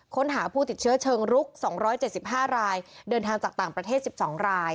ค้นหาผู้ติดเชื้อเชิงรุกสองร้อยเจ็ดสิบห้ารายเดินทางจากต่างประเทศสิบสองราย